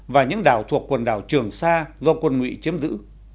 và những đảo thuộc quần đảo trường sa do quân nguyễn chiếm giữ